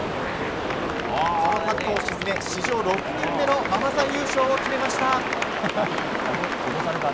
このパットを沈め、史上６人目のママさん優勝を決めました。